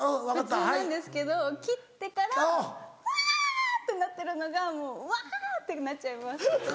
普通なんですけど切ってからきゃ！ってなってるのがもうわぁ！ってなっちゃいます